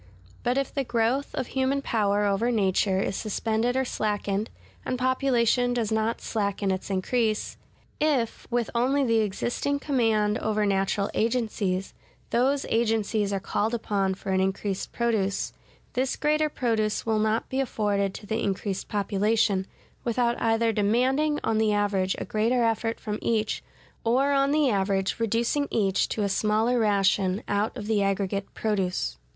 But if the growth of human power over nature is suspended or slackened, and population does not slacken its increase; if, with only the existing command over natural agencies, those agencies are called upon for an increased produce; this greater produce will not be afforded to the increased population, without either demanding on the average a greater effort from each, or on the average reducing each to a smaller ration out of the aggregate produce.